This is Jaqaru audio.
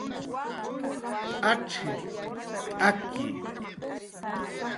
"P'acx""i, p'aki"